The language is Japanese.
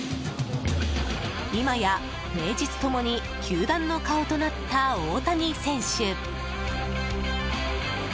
今や、名実共に球団の顔となった大谷選手。